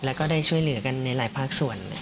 แล้วก็ได้ช่วยเหลือกันในหลายภาคส่วน